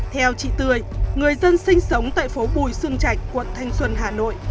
theo chị tươi người dân sinh sống tại phố bùi sương trạch quận thanh xuân hà nội